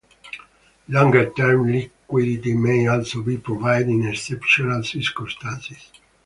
Longer term liquidity may also be provided in exceptional circumstances.